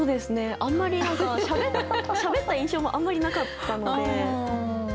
あんまり何かしゃべった印象もあんまりなかったので。